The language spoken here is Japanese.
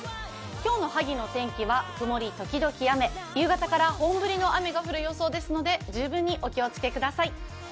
今日の萩の天気はくもり時々雨夕方から本降りの雨が降る予想ですので十分にお気をつけください。